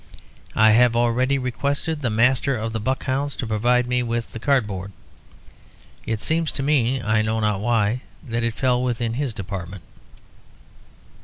I have already requested the Master of the Buckhounds to provide me with cardboard. It seemed to me (I know not why) that it fell within his department."